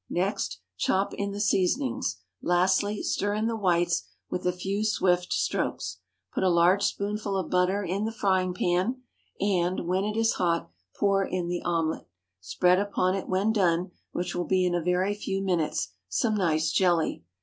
Next, chop in the seasoning; lastly, stir in the whites with a few swift strokes. Put a large spoonful of butter in the frying pan, and, when it is hot, pour in the omelette. Spread upon it when done, which will be in a very few minutes, some nice jelly.